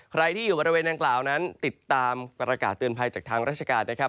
ใครที่อยู่บริเวณดังกล่าวนั้นติดตามประกาศเตือนภัยจากทางราชการนะครับ